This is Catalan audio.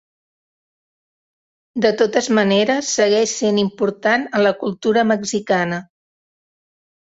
De totes maneres, segueix sent important en la cultura mexicana.